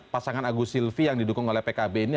pasangan agus silvi yang didukung oleh pkb ini